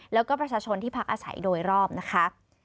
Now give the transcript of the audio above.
แล้วก็ประชาชนที่พักอาศัยโดยรอบนะคะ